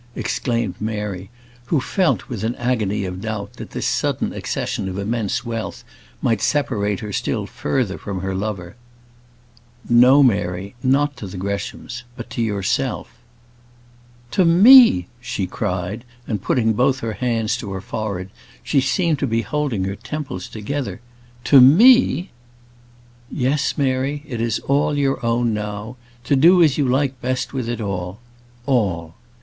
exclaimed Mary, who felt, with an agony of doubt, that this sudden accession of immense wealth might separate her still further from her lover. "No, Mary, not to the Greshams; but to yourself." "To me!" she cried, and putting both her hands to her forehead, she seemed to be holding her temples together. "To me!" "Yes, Mary; it is all your own now. To do as you like best with it all all.